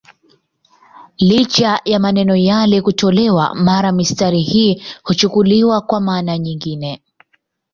Licha ya maneno yale kutolewa, mara mistari hii huchukuliwa kwa maana nyingine.